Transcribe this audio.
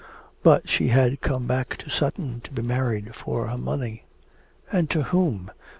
But she had come back to Sutton to be married for her money; and to whom?